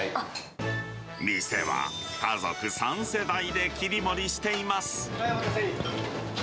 店は家族３世代で切り盛りしお待たせ。